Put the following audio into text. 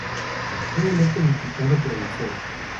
Fue electo diputado provincial.